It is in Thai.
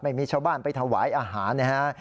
ไม่มีชาวบ้านไปถวายอาหารนะฮะ